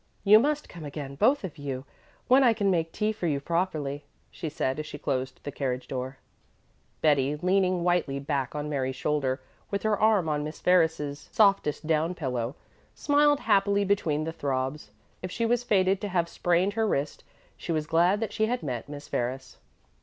"You must come again, both of you, when I can make tea for you properly," she said as she closed the carriage door. Betty, leaning whitely back on Mary's shoulder, with her arm on Miss Ferris's softest down pillow, smiled happily between the throbs. If she was fated to have sprained her wrist, she was glad that she had met Miss Ferris.